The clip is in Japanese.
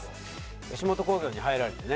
吉本興業に入られてね。